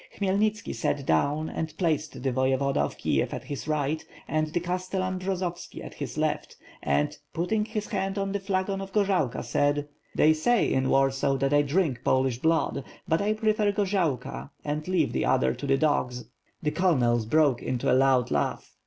Khmyelnitski sat down and placed the Voyevoda of Kiev at his right, and the Castellan Bjozovski at his left, and, putting his hand on the flagon of gorzalka, said: "They say in Warsaw that I drink Polish blood; but I prefer gorzalka and leave the other to the dogs." The colonels broke into a loud laugh.